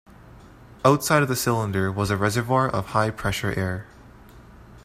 Outside of the cylinder was a reservoir of high-pressure air.